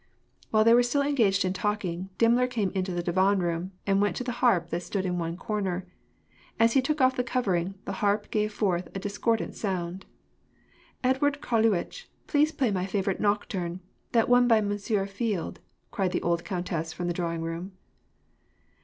While they were still engaged in talking, Dimmler came into the divan room, and went to the harp that stood in one comer. As he took off the covering, the harp gave forth a discordant sound. "Eduard Karluitch, please play my favorite nocturne — that one by Monsieur Field,"* cried the old countess from the drawing room.